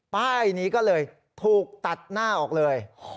ป้ายนี้ก็เลยถูกตัดหน้าออกเลย